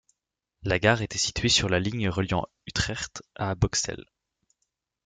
La gare était située sur la ligne reliant Utrecht à Boxtel.